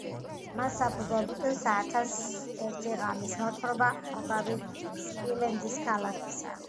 მას საფუძვლად უდევს „ათას ერთი ღამის“ მოთხრობა „ამბავი სპილენძის ქალაქისა“.